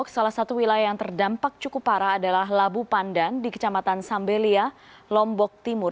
salah satu wilayah yang terdampak cukup parah adalah labu pandan di kecamatan sambelia lombok timur